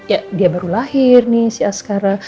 ya dia baru lahir nih si ascara